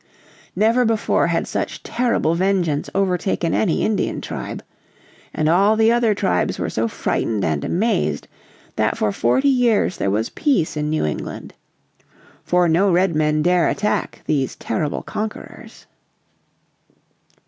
Never before had such terrible vengeance overtaken any Indian tribe. And all the other tribes were so frightened and amazed that for forty years there was peace in New England. For no Redmen dare attack these terrible conquerors.